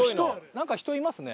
なんか人いますね。